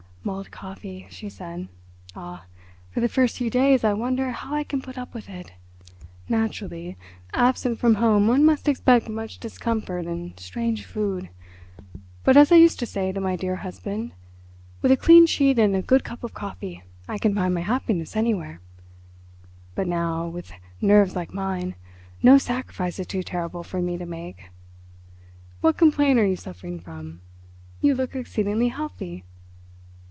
"Malt coffee," she said. "Ah, for the first few days I wonder how I can put up with it. Naturally, absent from home one must expect much discomfort and strange food. But as I used to say to my dear husband: with a clean sheet and a good cup of coffee I can find my happiness anywhere. But now, with nerves like mine, no sacrifice is too terrible for me to make. What complaint are you suffering from? You look exceedingly healthy!"